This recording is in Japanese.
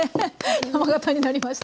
山がたになりました